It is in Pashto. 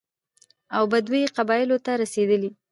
او بدوي قبايلو ته رسېدلى،